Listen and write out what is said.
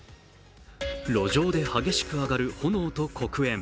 路上で激しく上がる炎と黒煙。